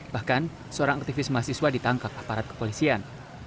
bahkan seorang aktivis mahasiswa ditangkap aparat kepolisian